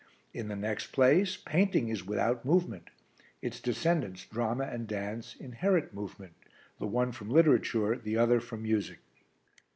In the next place, painting is without movement, its descendants, drama and dance, inherit movement, the one from literature, and the other from music.